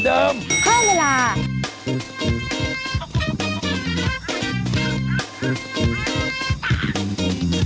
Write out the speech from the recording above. สวัสดีครับ